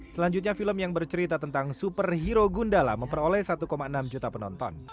selanjutnya film yang bercerita tentang superhero gundala memperoleh satu enam juta penonton